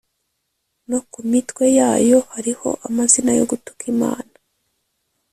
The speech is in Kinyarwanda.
no ku mitwe yayo hariho amazina yo gutuka Imana.